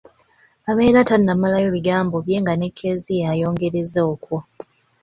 Abeera tannamalayo bigambo bye nga ne Kezia ayongereza okwo.